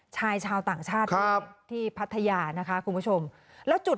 ชายชาวต่างชาติด้วยที่พัทยานะคะคุณผู้ชมแล้วจุด